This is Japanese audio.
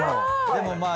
でもまあ。